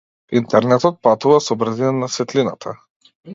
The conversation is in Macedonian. Интернетот патува со брзина на светлината.